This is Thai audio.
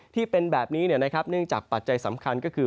ที่เป็นแบบนี้เนี่ยนะครับเนื่องจากปัจจัยสำคัญก็คือ